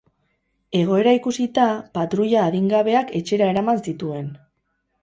Egoera ikusita, patruila adingabeak etxera eraman zituen.